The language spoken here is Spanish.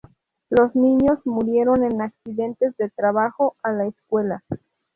Los niños murieron en accidentes de trabajo en la escuela.